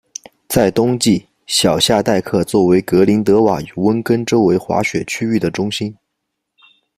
在冬季，小夏戴克作为格林德瓦与温根周围滑雪区域的中心。